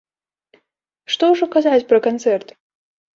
Што ўжо казаць пра канцэрт!